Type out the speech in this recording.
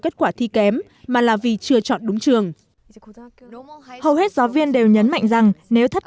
kết quả thi kém mà là vì chưa chọn đúng trường hầu hết giáo viên đều nhấn mạnh rằng nếu thất